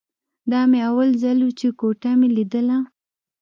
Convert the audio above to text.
دا مې اول ځل و چې کوټه مې ليدله.